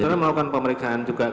saudara melakukan pemeriksaan juga ke